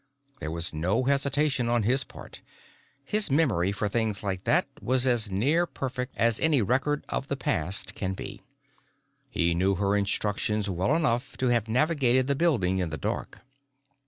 There was no hesitation on his part; his memory for things like that was as near perfect as any record of the past can be. He knew her instructions well enough to have navigated the building in the dark.